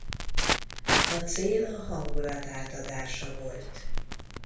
A cél a hangulat átadása volt.